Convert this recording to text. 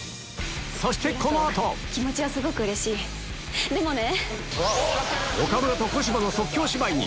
そしてこの後でもね！